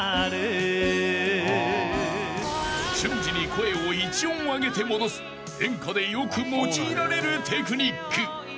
［瞬時に声を１音上げて戻す演歌でよく用いられるテクニック］